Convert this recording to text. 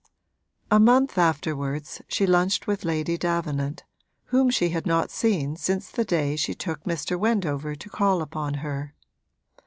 A month afterwards she lunched with Lady Davenant, whom she had not seen since the day she took Mr. Wendover to call upon her.